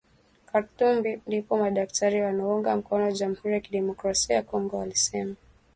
Khartoum ndipo madaktari wanaounga mkono jamuhuri ya demokrasia ya Kongo walisema